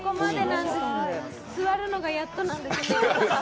座るのがやっとなんです。